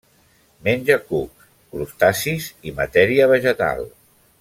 Menja cucs, crustacis i matèria vegetal.